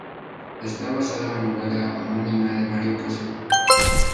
Está basada en la novela homónima de Mario Puzo.